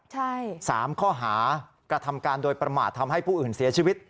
ใช่๓ข้อหากระทำการโดยประมาททำให้ผู้อื่นเสียชีวิต